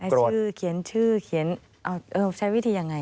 ให้ชื่อเขียนชื่อใช้วิธีอย่างไร